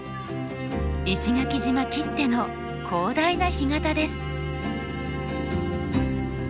石垣島きっての広大な干潟です。